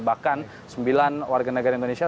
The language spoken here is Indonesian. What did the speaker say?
bahkan sembilan warga negara indonesia